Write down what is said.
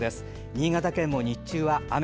新潟県も日中は雨。